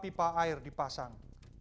pipa air dipasang